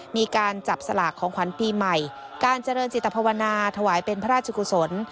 มีการจับสลากของขวัญปีใหม่การเจริญจิตภาวนาถวายเป็นพระราชกุศล